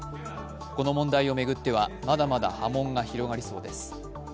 この問題を巡ってはまだまだ波紋が広がりそうです。